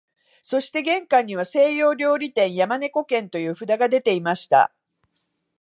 そして玄関には西洋料理店、山猫軒という札がでていました